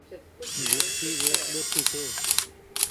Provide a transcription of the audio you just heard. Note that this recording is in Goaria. جهرڪي ايڪ ٻهٺي ڇي